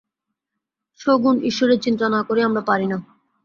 সগুণ ঈশ্বরের চিন্তা না করিয়া আমরা পারি না।